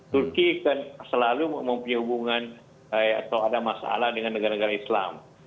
turki kan selalu mempunyai hubungan atau ada masalah dengan negara negara islam